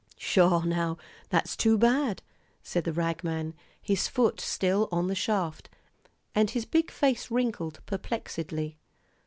"Sho now! that's too bad," said the rag man, his foot still on the shaft, and his big face wrinkled perplexedly.